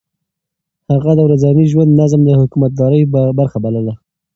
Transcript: هغه د ورځني ژوند نظم د حکومتدارۍ برخه بلله.